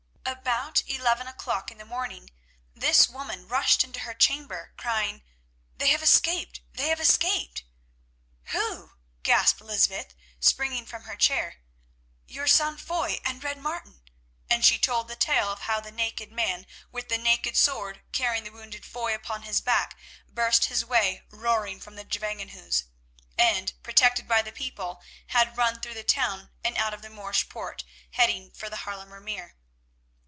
About eleven o'clock in the morning this woman rushed into her chamber crying, "They have escaped! They have escaped!" "Who?" gasped Lysbeth, springing from her chair. "Your son Foy and Red Martin," and she told the tale of how the naked man with the naked sword, carrying the wounded Foy upon his back, burst his way roaring from the Gevangenhuis, and, protected by the people, had run through the town and out of the Morsch poort, heading for the Haarlemer Meer.